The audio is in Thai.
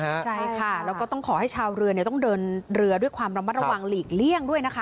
ใช่ค่ะแล้วก็ต้องขอให้ชาวเรือต้องเดินเรือด้วยความระมัดระวังหลีกเลี่ยงด้วยนะคะ